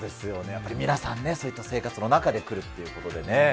やっぱり皆さんね、そういった生活の中でくるということでね。